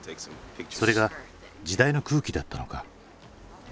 それが時代の空気だったのか。